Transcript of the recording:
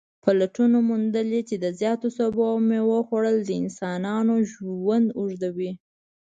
پلټنو موندلې چې د زیاتو سبو او میوو خوړل د انسانانو ژوند اوږدوي